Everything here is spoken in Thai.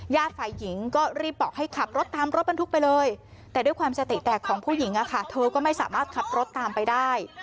ฝ่ายหญิงก็รีบบอกให้ขับรถตามรถบรรทุกไปเลยแต่ด้วยความสติแตกของผู้หญิงอะค่ะเธอก็ไม่สามารถขับรถตามไปได้